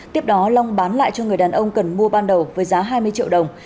tiếp đó long bán lại cho người đàn ông cần mua ban đầu với giá hai mươi triệu đồng